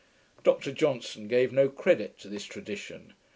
Dr Johnson gave no credit to this tradition.